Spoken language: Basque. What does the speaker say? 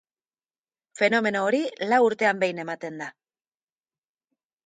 Fenomeno hori lau urtean behin ematen da.